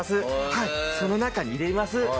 はいその中に入れます。